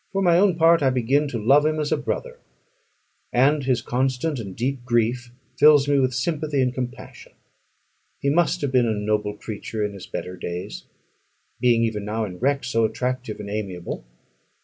For my own part, I begin to love him as a brother; and his constant and deep grief fills me with sympathy and compassion. He must have been a noble creature in his better days, being even now in wreck so attractive and amiable.